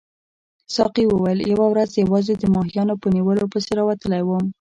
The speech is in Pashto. ساقي وویل یوه ورځ یوازې د ماهیانو په نیولو پسې راوتلی وم.